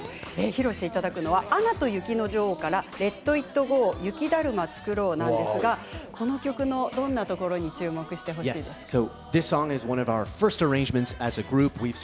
披露していただくのは「アナと雪の女王」から「レット・イット・ゴー」「雪だるまつくろう」なんですがこの曲のどんなところに注目して聴いてほしいですか。